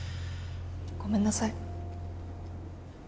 ごめんなさい。